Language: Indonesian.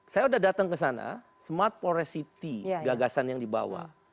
saya udah datang kesana smart porosity gagasan yang dibawa